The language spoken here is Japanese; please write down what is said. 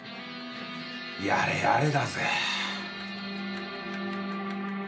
やれやれだぜ。